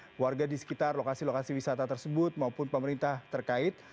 kepada warga di sekitar lokasi lokasi wisata tersebut maupun pemerintah terkait